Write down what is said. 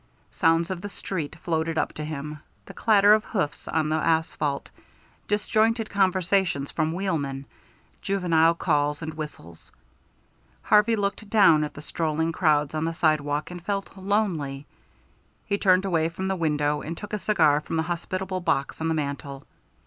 Sounds of the street floated up to him the clatter of hoofs on the asphalt, disjointed conversations from wheelmen, juvenile calls and whistles. Harvey looked down at the strolling crowds on the sidewalk, and felt lonely. He turned away from the window, and took a cigar from the hospitable box on the mantel.